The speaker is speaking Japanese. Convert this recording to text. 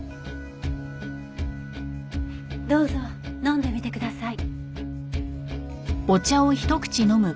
どうぞ飲んでみてください。